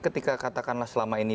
ketika katakanlah selama ini